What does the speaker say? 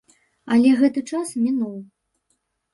Але гэты час мінуў.